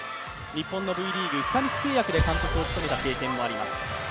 日本のＶリーグ、久光製薬で監督を務めた経験もあります。